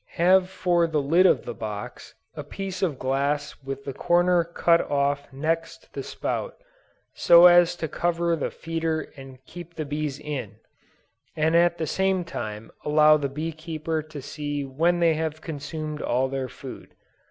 Have for the lid of the box, a piece of glass with the corner cut off next the spout, so as to cover the feeder and keep the bees in, and at the same time allow the bee keeper to see when they have consumed all their food.